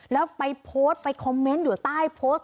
แล้วไปโพสต์ไปคอมเมนต์อยู่ใต้โพสต์